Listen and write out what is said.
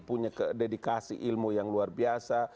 punya dedikasi ilmu yang luar biasa